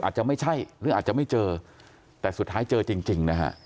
อาจจะไม่ใช่หรืออาจจะไม่เจอแต่สุดท้ายเจอจริงนะฮะ